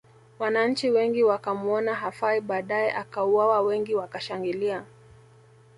Wananchi wengi wakamuona hafai badae akauwawa wengi wakashangilia